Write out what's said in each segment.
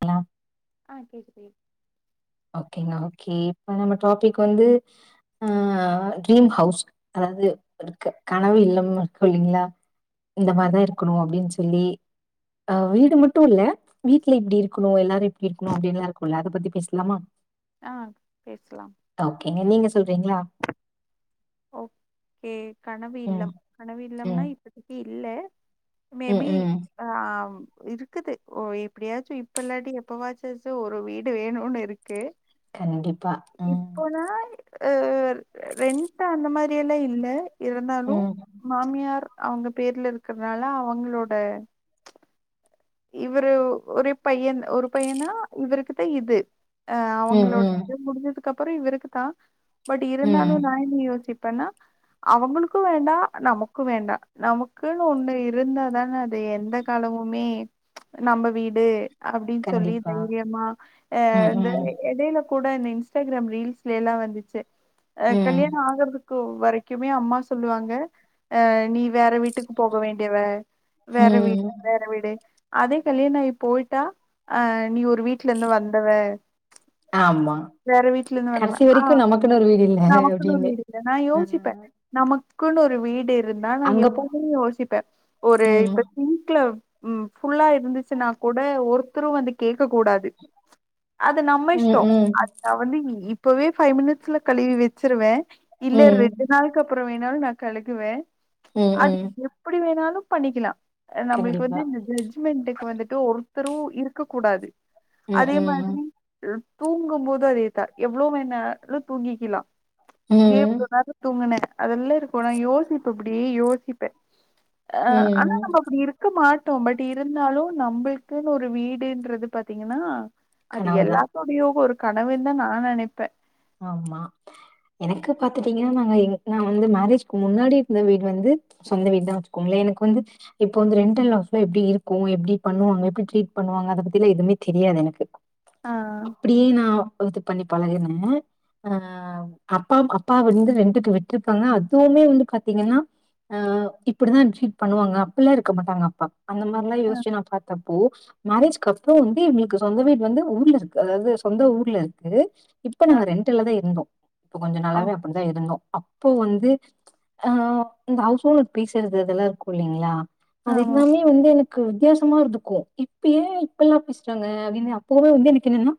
Hello ஆ கேக்குதே ஓக்கேங்க ஓக்கே இப்ப நம்ம டாபிக் வந்து ஆ ட்ரீம் ஹவுஸ் அதாவது இருக்கு கனவு இல்லம் இருக்கு இல்லைங்களா இந்த மாரிதா கண்டிப்பா. இருக்கணு அப்டின்னு சொல்லி ஆ வீடு மட்டு இல்ல வீட்ல இப்டி இருக்குனு எல்லாரு இப்டி இருக்குணு அப்டினுல்லா இருக்குனுல்ல அத பத்தி பேச எங்க அம்மா ஆ பேசலா ஓக்கேங்க நீங்க சொல்றீங்கிளா ஓக்கே கனவு ம், இல்லம் கனவு இல்லம்னா ம், இப்பதைக்கு இல்ல மே ம், பி ம். ஆம் இருக்குது ஓ எப்டியாச்சு இப்ப இல்லாட்டி எப்பவாச்சாச்சு ஒரு வீடு வேணும்னு இருக்கு கண்டிப்பா. ம், இப்போ நாய் அ ரெண்ட்டு அந்த மாரி எல்லா இல்ல இருந்தாலு ம், மாமியார் அவங்க பேர்ல இருக்கறனால அவங்களோட இவரு ஒரே பையன் ஒரு பையனா இவருக்குதா இது அ ம், அவங்களோட ம், இது முடிஞ்சதுக்கு அப்புறோ இவருக்குதா பட் இருந்தாலு நா ம். என்ன யோசிப் பனா அவுங்களுக்கு வேண்டா நமக்கு வேண்டா நமக்குன்னு ஒண்ணு இருந்தாதன அது எந்த காலமுமே நம்ம வீடு அப்டின்னு சொல்லி கண்டிப்பா. தைரியமா அ ம், இந்த ம், எடெல கூட இந்த இன்ஸ்டாகிராம் ரீல்ஸ்ல எல்லா வந்துச்சு ஆ ம், கல்யாணம் ஆகறதுக்கு கு வரைக்குமே அம்மா சொல்லுவாங்க அ நீ வேற வீட்டு வீட்டுக்கு போக வேண்டியவ வேற வீடு ம். வேற வீடு அதே கல்யாணாயி போயிட்டா ஆ நீ ஒரு வீட்டுல இருந்து வந்தவ ஆமா கடசி வரைக்கு நமக்குன்னு ஒரு வீடு இல் நமக்குனு ஒரு வீடு இல்ல நா யோசிப்பே நமக்குன்னு ஒரு வீடு இருந்தா நா அங்க எப்பவுமே யோசிப்பே ஒரு ம். இப்ப சிங்க்ல ம் ஃபுல்லா இருந்துச்சுன்னா கூட ஒருத்தரு வந்து கேக்க கூடாது அது நம்ம ம், இஷ்டோ ம், அத வந்து இப்பவே ஃபை மினிட்ஸ்ல கழுவி வச்சிருவே இல்ல ம், ரெண்டு நாளுக்கப்றோ வேணாலு நா கழுகுவே ம், அது ம். எ ப்டி வேணாலு பண்ணிக்லா நம்ளுக்கு கண்டிப்பா. வந்து இந்த ஜஜ் மெண்ட்க்கு வந்துட்டு ஒர்த்தரு இருக்க கூடாது ம், அதே ம், மாத்ரி தூங்கும்போது அதேதா எவ்ளோ வேணாலு தூங்கிக்கிலா ஏ ம், இவ்ளோ நேரோ தூங்குன அதெல்லாருக்கு நா யோசிப்பே இப்டி யோசிப்பே அ ஆனா ம். நம்ப அப்டி இருக்க மாட் டோ பட் இருந்தாலு நம்ளுக்குன்னு ஒரு வீடுன்றது பாத்தீங்கன்னா அது எல்லா கனவுதான். [unintelligible] ஒரு கனவுன் தா நா நெனைப்பே ஆமா எனக்கு பாத்துட்டீங்கன்னா நாங்க எங்ளுக்லா வந்து மேரேஜ்க்கு முன்னாடி இருந்த வீடு வந்து சொந்த வீடு தா வச்சுக்கோங்ளே எனக்கு வந்து இப்போ வந்து ரெண்டில் அவுஸ்லா எப்டி இருக்கு எப்டி பண்ணுவாங்க எப்டி ட்ரீட் பண்ணுவாங்க அத பத்திலா எதுமே தெரியாது எனக்கு ஆ அப்டியே நா இது பண்ணி பழகுனே ஆ அப்பா அப்பா வந்து ரெண்ட்டுக்கு விட்ருக்காங்க அதுவுமே வந்து பாத்தீங்கன்னா ஆ இப்டிதா ட்ரீட் பண்ணுவாங்க அப்பில்லா இருக்க மாட்டாங்க அப்பா அந்த மார்லா யோச்சு நா பாத்தப்போ மேரேஜ்க்கப்றோ வந்து எங்களுக்கு சொந்த வீடு வந்து ஊர்லருக்கு அதாவ்து சொந்த ஊர்லருக்கு இப்ப ஆ நாங்க ரெண்ட்டில்தாருந்தோ இப்ப கொஞ்ச ஆ நாளாவே அப்டிதா இருந்தோ அப்போ வந்து ஆ இந்த ஹவுஸ் ஓனர் பேசுறது அதெல்லாருக்கு இல்லைங்ளா அது ஆமா எல்லாமே வந்து எனக்கு வித்தியாசமா இருந்துக்கு இப்ப ஏ இப்பில்லா பேசுறாங்க அப்டினு அப்பவே வந்து எனக்கு என்னனா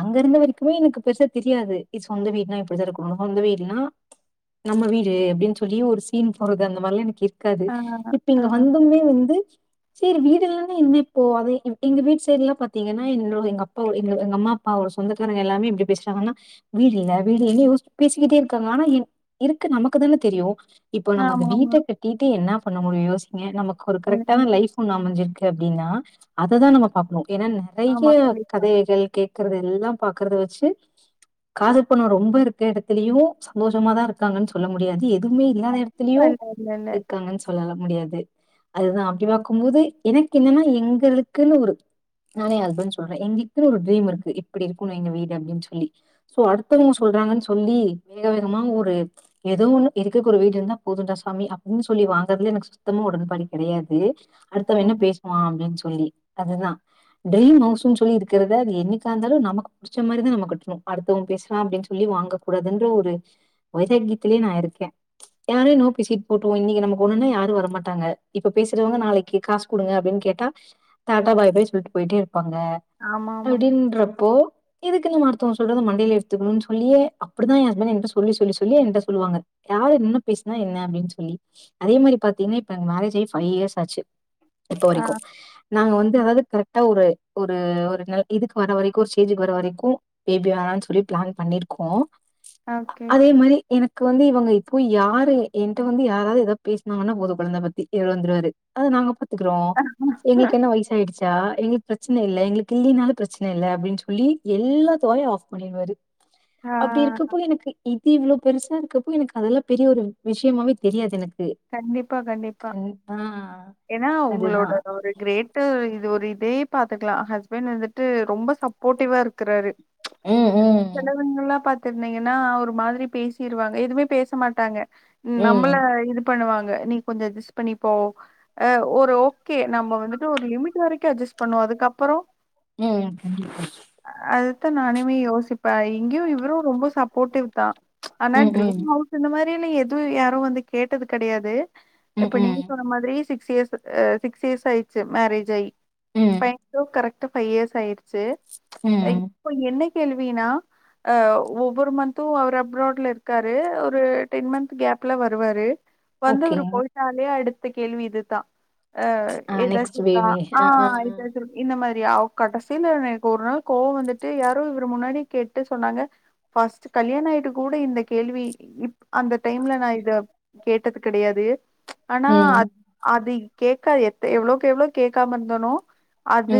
அங்கெருந்த வரைக்குமே எனக்கு பெருசா தெரியாது இது சொந்த வீட்னா இப்டித்தா இருக்கனு சொந்த வீட்ல்லனா நம்ம வீடு அப்டின் சொல்லி ஒரு சீன் போறது அந்த மார்லா எனக்கு இருக் காது ஆ இப்ப ஆ இங்க வந்தமே வந்து சேரி வீடு இல்லன்னா என்ன இப்போ அதே எங்க வீட் சைட்லா பாத்தீங்கன்னா எங்ளோ எங்க அப்பாவோ எங்க எங்க அம்மா அப்பாவோட சொந்தக்காரங்க எல்லாமே எப்டி பேசுறாங்கன்னா வீடு இல்ல வீடு என்ன பேசிகிட்டே இருக்காங்க ஆனா இருக்கு நமக்கு தானே தெரியு இப்போ நம்ம அந்த ஆமா ஆமா வீட்ட கட்டிட்டு என்னா பண்ண முடியு யோசிங்க நமக்கு ஒரு கரெக்டான ம் லைஃப் ஒண்ணு அமஞ்சிருக்கு அப்டின்னா அததா நம்ம பாக்கனு ஏனா ஆமா நறைய கண்டிப்பா கதைகள் கே க்கறதெல்லா பாக்கற்த வச்சு காசு பணோ ரொம்ப இருக்க எடத்துலயு சந்தோஷமாதாருக்காங்கன் சொல்ல முடியாது எ துமே இல்லாத எடத்திலயு இல்ல இல்ல இல்ல இருக்காங்கன் சொல்லலா முடியாது அதுதா அப்டி பாக்கும்போது எனக்கு என்னனா எங்களுக்குன்னு ஒரு நானு ஏ ஹஸ்பண்ட் சொல்றே எங்களுக்குனு ஒரு ட்ரீம் இருக்கு இப்டி இருக்கனு எங்க வீடு அப்டின் சொல்லி ஸோ அடுத்தவங்க சொல்றாங்கன் சொல்லி வேக வேகமா ஒரு எதோ ஒன்னு இருக்கக்கு ஒரு வீடு இருந்தா போதுண்டா சாமி அப்டின் சொல்லி வாங்கறதுலே எனக்கு சு த்தமா உடன்பாடு கெடயாது அடுத்தவே என்ன பேசுவா அப்டின் சொல்லி அதுதா ட்ரீம் ஹவுஸுன் சொல்லி இருக்குறத அது என்னிக்காந்தாலு நமக்கு புடிச்ச மாரிதா நம்ம கட்றோ அடுத்தவே பேசுறா அப்டின் சொல்லி வாங்க கூடாதுன்ற ஒரு வைராக்கியத்திலே நா இருக்கே [unintelligible] சீட் போட்ருவோ இன்னிக்கி நமக்கு ஒன்னுனா யாரு வர மாட்டாங்க இப்ப பேசுறவங்க நாளைக்கு காசு குடுங்க அப்டின் கேட்டா டாட்டா பாய் பாய் சொல்ட்டு போயிட்டேருப்பாங்க ஆமா ஆமா அப்டின்றப்போ எதுக்கு நம்ம அடுத்தோங்க சொல்றது மண்டைல ஏ த்துக்கனு சொல்லியே அப்டிதா எ ஹஸ்பண்ட் என்ட்ட சொல்லி சொல்லி சொல்லி என்ட்ட சொல்லுவாங்க யாரு என்ன பேச்னா என்ன அப்டின் சொல்லி அதே மாரி பாத்திங்னா இப்ப எங்க மேரேஜ் ஆயி ஃபைவ் இயர்ஸ் ஆச்சு இப்போ ஆ வரைக்கு நாங்க வந்து அதாது கரெக்டா ஒரு ஒரு ஒரு நல் இதுக்கு வர வரைக்கு ஒரு ஸ்டேஜுக்கு வர வரைக்கு பேபி வேணான் சொல்லி பிளான் பண்ணிருக்கோ ஓகே அதே மாரி எனக்கு வந்து இவங்க இப்போ யாரு என்ட்ட வந்து யாராவது எதாப் பேச்னாங்கன்னா போது கொழந்த பத்தி இவர் வந்துருவாரு அத நாங்க பாத்துகுறோ எங்ளுக்கு என்ன வயசாயிடுச்சு சா எங்ளுக் பிரச்சன இல்ல எங்ளுக்கு இல்லீனாலு பிரச்சன இல்ல அப்டின் சொல்லி எல்லாத்து வாயு ஆஃப் பண்ணிர்வாரு ஆ அப்டி இருக்கப்போ எனக்கு இது இவ்ளோ பெருசா இருக்கப்போ எனக்கு அதெல்லாப் பெரிய ஒரு விஷ்யமாவே தெரியாது எனக்கு கண்டிப்பா கண்டிப்பா கண் ஆ எனா உங்ளோட அதுதான். அது ஒரு கிரேட் டு இது ஒரு இதே பாத்துக்லா ஹஸ்பண்ட் வந்துட்டு ரொம்ப சப்போர்ட்டிவா இருக்கறாரு ம், ம், செலவுங்கெல்லாம் பாத் திருந்தீங்கனா ஒரு மாதிரி பேசிருவாங்க எதுமே பேச மாட்டாங்க நம்பள ம், இதுப் பண்ணுவாங்க நீ கொஞ்ச அட்ஜஸ்ட் பண்ணி போ அ ஒரு ஓ கே நம்ப வந்துட்டு ஒரு லிமிட்டு வரைக்கு அட்ஜஸ்ட் பண்ணுவோ அதுக்கப்பறோ ம் கண்டிப்பா அதத்தா நானுமே யோசிப்பே இங்யு இவுருரொம்ப சப்போர்ட்டிவ்தா ஆனா ம், ட்ரீம் ம், ஹவுஸ் இந்த மாரில்ல எதுவு யாரு வந்து கேட்டது கெடையாது ம், இப்ப நீங்க ம், வ தம் மாதிரி சிக்ஸ் இயர்ஸு அ சிக்ஸ் இயர்ஸ் ஆயிச்சு மேரேஜ் ஆயி ம், பயங்லு கரெக் ட்ட ஃபைவ் இயர்ஸ் ஆயிர்ச்சு அ ம். இப்ப என்ன கேள்வினா அ ஒவ்வொரு மன்த்து அவரு அப்ராட்லருக்காரு ஒரு டென் மன்த் கேப்ல வருவாரு வந்து ஓகே. அவுரு போய்ட்டாலே அடுத்த கேள்வி இதுதா ஆ ஆ எதாச்சு நெக்ஸ்ட் இருக்கா பேபி. ஆ ஆ. இதா சொல் இந்த மாரி அவ் கடசில எனக் ஒரு நாள் கோவோ வந்துட்டு யாரோ இவுரு முன்னாடி கேட்டு சொன்னாங்க ஃபஸ்ட்டு கல்யாணோ ஆய்ட்டு கூட இந்த கேள்வி இப் அந்த டைம்ல நா இத கேட்டது கெடையாது ஆனா ம், அத் அது இ கேக்கா எத்த எவ்ளோக்கெவ்ளோ கேக்காம இர்ந்தனோ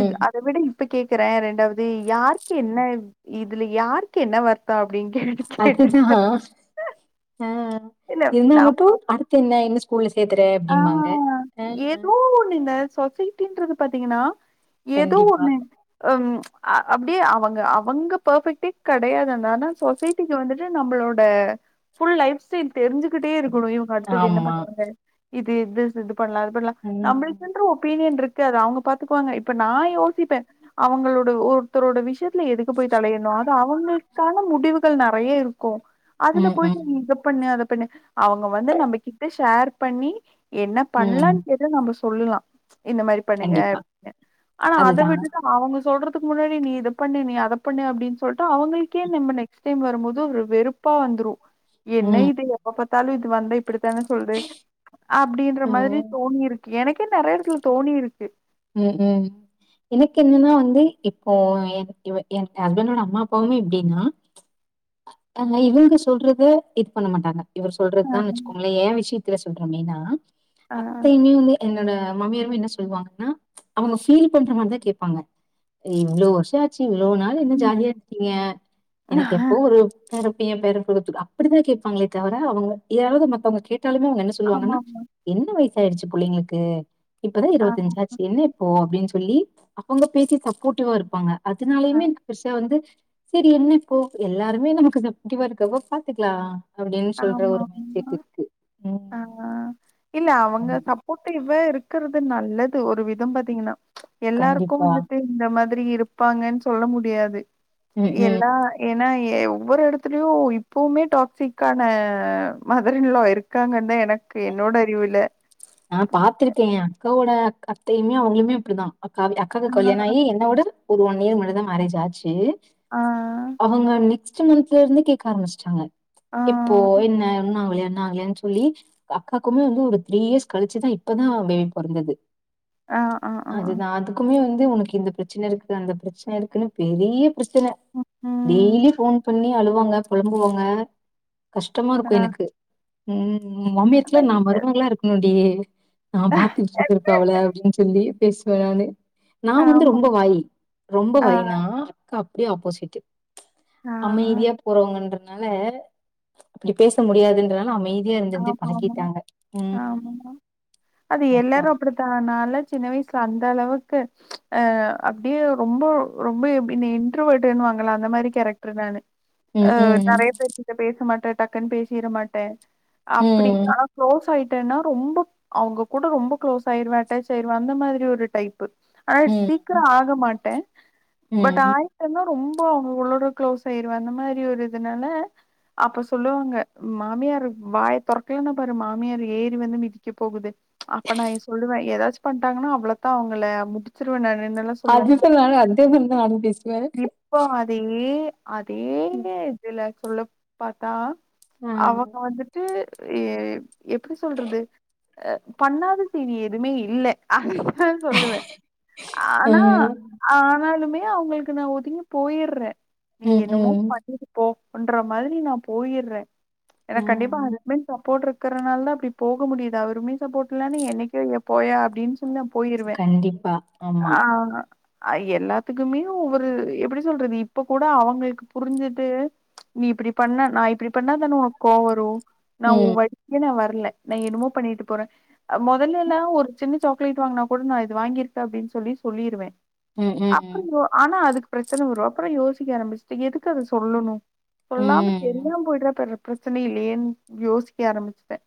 ம். அத விட இப் இப்ப கேக்கறே ரெண்டாவது யாருக்கு என்ன இத் இதுல யாருக்கு என்ன வர்த்தோ அப்டின் கேட்டுக் அதுதா அ இல்ல இருந்தா மட்டு நம்ம அடுத் தென்ன என்ன ஸ்கூல்ல சேத்தற அப்டிம்பாங்க‌ அ அ போன் இந்த சொசைட் டின்ரது பாத்திங்கனா எதோ கண்டிப்பா. ஒன்னு அம் அ அப்டியே அவங்க அவங்க பெர்ஃபெக்டே கெடையாது அங்க ஆனா சொசைட்டிக்கி வந்துட்டு நம்பளோட ஃபுல் லைஃப் ஸ்டைல் தெரி்ஞ்சுகிட்டே இருக்குணு இவ் அடுத்தது என்ன ஆமா. பண்றாங்க இது இதுச் இது பண்லா அது பண்லா ம். நம்புளுக்குன்ற ஒபீனியன்ருக் கு அது அவுங்க பாத்துக்வாங்க இப்ப நா யோசிப்பே அவங்களோட ஒருத்தரோட விஷ்யத்ல எதுக்கு போய் தலையிட்ணு அது அவங்கள்க்கான முடிவுகள் நெறைய இருக் க்கு அதுல ம், போயிட்டு ம், நீ இதப் பண்ணு அதப் பண்ணு அவுங்க வந்து நம்பக்கிட்ட ஷேர் பண்ணி என்னப் ம். பண்லான்‌ கேட்டா நம்ப சொல்லுலா இந்த மாரி பண்ணுங்க கண்டிப்பா. அப்னு ஆனா அத அதுதான். விட்டுட்டு அவங்க சொல்றதுக்கு முன்னாடி நீ இதப் பண்ணு நீ அதப் பண்ணு அப்டின் சொல்ட்டு அவங்கள்க்கே நெம்ப நெக் ஸ்டைம் வரும்போது ஒரு வெறுப்பா வந்துரு என்ன ம். இது எப்ப பாத்தாலு இது வந்த இப்டித்தான சொல்து அப்டின்ற மாதிரி ம். தோணிருக் கு எனக்கே நெறை எடத்துல தோணிருக்கு ம் ம் எனக்கென்னனா வந்து இப்போ எனுக் இவெ என்ட்ட ஹஸ்பண்டோட அம்மா அப்பாவுமே இப்டினா அ இவங்க சொல்றது இது பண்ண மாட்டாங்க இவரு அ, சொல்றதானு வச்சுக்கோங்களே ஏ விஷயத்துல சொல்றே மெய்னா அ, அத்தையுமே வந்து என்னோட மாமியருமே என்ன சொல்வாங்கனா அவுங்க ஃபீல் பண்ற மாரிதா கேப்பாங்க இவ்ளோ வருஷோ ஆச்சு இவ்ளோ நாள் என்ன ம். ஜாலியாருக்கீங்க எனக்கு எப்போ ஒரு பேரப்பையே பேர [unintelligible] அப்படிதே கேப்பாங்களே தவர அவங்க யாராவது மத்தவங்க கேட்டாலுமே அவங்க என்ன சொல்லுவாங்கனா ஆமாமா. என்ன வயசு ஆயிடுச்சு புள்ளைங்களுக்கு இப்பதா அ, இருவத்தஞ்சாச்சு என்ன இப்போ அப்டின் சொல்லி அவங்க பேசி சப்போட்டிவாருப்பாங்க அதனாலயுமே எனக்கு பெருசா வந்து செரி என்ன இப்போ எல்லாருமே நமக்கு சப்போட்டிவா இருக்கப்போ பாத்துக்லா அப்டின் சொல்ற ஒரு ஆமாமா. மைண்ட்செட் இருக்கு ம் ஆ. இல்ல அவங்க அதுதா சப்போட்டிவாருக்குறது நல்லது ஒரு விதோ பாத்தீங்கனா எல்லாருக்கு கண்டிப்பா வந்துட்டு இந்த மாதிரி இருப்பாங்கன் சொல்ல முடியாது ம் ம் எல்லா ஏனா எ ஒவ்வொரு எடத்துலயு இப்பவுமே டாக்ஸிக் க்கான மதரின் லா இருக்காங்க தா எனக்கு என்னோட அறிவுல நா பாத்துருக்கே‌ எ அக்காவோட அ அத்தையுமே அவுங்ளுமே அப்டிதா அக்காவி அக்காக்கு ஆ, கல்யாண ஆகி என்னோட ஒரு ஒன் இயர் முன்னாடிதா மேரேஜ் ஆச்சு ஆ, அவங்க நெக்ஸ்டு மன்த்ல இருந்து கேக்க ஆரமிச்சிட்டாங்க ஆ, இப்போ என்ன இன்னு ஆகலையா இன்னு ஆகலையானு சொல்லி அக்காக்குமே வந்து ஒரு த்ரீ இயர்ஸ் கழிச்சுதா இப்பதா பேபி பொறந்தது ஆ, ஆ, ஆ, அதுதா அது குமே வந்து உனக்கு இந்த பிரச்சன இருக்கு அந்த பிரச்சன இருக்குனு பெரிய பிரச்சன டெய்லி ம். ஃபோன் பண்ணி அழுவாங்க பொலம்புவாங்க கஷ்டமா இருக்கு எனக்கு ம் ஒ மாமியாருக்கெல்லா அதான் நா இ- மருமகளா இருக்கணுடி நா பாத்துட்டு இருப்ப அவள அப்டினு சொல்லி பேசுவே நானு நா வந்து ஆமா. ரொம்ப வாயி ரொம்ப ஆ, வாயினா அப்டியே ஆப்போசிட்டு் ஆ, அமைதியா போறவங்கன்றனால அப்டி பேச முடியாதுன்றனால அமை தி இருந்துருந்து ஆமாமா, ஆமா. பழக்கிட்டாங்க ம் ஆமா. அது அதா எல்லாரு அப்டித்தா நாலா சின்ன வயசுல அந்த அளவுக்கு அ அப்டியே ரொம்ப ரொம்ப இ இன்டர்வட்டுனு வாங்களா அந்த மாரி கேரக்டர் நானு அ ம் ம் நிறையா பேருக்கிட்ட பேச மாட்டே டக்குன் பேசிற மாட்டே அப்டி ம் ஆனா க்ளோஸ் ஆயிட் டேனா ரொம்ப அவங்க கூட ரொம்ப க்ளோஸ் ஆயிடுவே அட்டாச் ஆயிடுவே அந்த மாரி ஒரு டைப்பு ஆனா சீக்கரோ ம் ஆக மாட்டே பட் ம் ஆயி டேனா ரொம்ப அவங்களோட க்ளோஸ் ஆயிடுவ அந்த மாரி ஒரு இதுனால அப்ப சொல்லுவாங்க மாமியார் வாய தொறக்கலனா பாரு மாமியார் ஏறி வந்து மிதிக்க போகுது அப்ப நா ஏ சொல்லுவே ஏதாச்சு பண்டாங்கனா அவ்வளத்தா அவுங்கள முடிச்சிருவே நானு அதுதா நானு அத தா நானு பேசுவே இப்போ அதே அதே இதுல சொல்ல பாத்தா ஆ அவங்க வந்துட்டு எ எப்டி சொல்றது பண்ணாத செய்தி எதுவுமே இல்ல ஹ சொல்லுவே ஆ ஆனா ம் ஆனாலுமே அவங்களுக்கு நா ஒதுங்கி போயிற்றே நீ என்னமோ ம் பண்ணிரு போ ன்ற மாரி நா போயிற்றே ஏனா ஆ கண்டிப்பா மெய்ன் சப்போர்ட் இருக்கறனால தா அப்டி போக முடியு அவருமே சப்போர்ட் இல்லைனா என்னைக்கோ ஏ போயா அப்டின் சொ ன்னா போயிருவே கண்டிப்பா ஆமா ஆ அய் எல்லாத்துக்குமே ஒவ்வொரு எப்படி சொல்றது இப்ப கூட அவங்களுக்கு புரிஞ்சிட்டு நீ இப்டி பண்ண நான் இப்படி பண்ணாதானே உன கோ வரும் நான் ஒ ம் ஒய்ஃப் ஏ நா வரல நான் என்னமோ பண்ணிட்டு போறேன் முதல்ல எல்லாம் ஒரு சின்ன சாக்லேட் வாங்கினா கூட நான் இது வாங்கியிருக்கேன் அப்படின்னு சொல்லி சொல்லிருவேன் ம் ம் அப்புறம் ஆனா அதுக்கு பிரச்சனை வரும் அப்புறம் யோசிக்க ஆரம்பிச்சுட்டு எதுக்கு அதை சொல்லணும் சொல்லாம ம் தெரியாம போயிடுற ப்ப பிரச்சனை இல்லையேன்னு யோசிக்க ஆரம்பிச்டேன்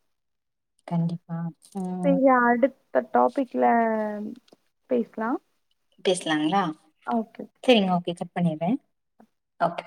கண்டிப்பா ம் [unintelligible] இப்ப டாபிக்ல பேசலாம் பேஸ்லாங்ளா ஓகே செரிங்க ஓகே கட் பண்ணிறே ஓகே